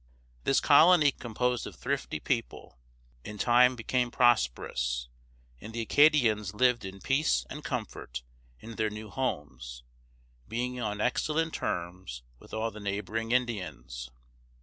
This colony, composed of thrifty people, in time became prosperous, and the Acadians lived in peace and comfort in their new homes, being on excellent terms with all the neighboring Indians.